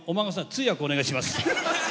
通訳お願いします。